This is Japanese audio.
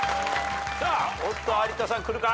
おっと有田さんくるか？